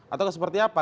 ataukah seperti apa